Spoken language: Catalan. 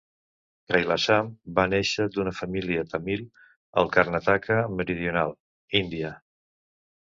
Kailasam va néixer d'una família Tamil al Karnataka meridional, India.